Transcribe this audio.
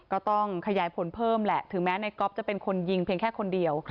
ก็ต้องขยายผลเพิ่มแหละถึงแม้ในก๊อฟจะเป็นคนยิงเพียงแค่คนเดียว